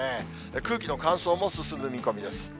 空気の乾燥も進む見込みです。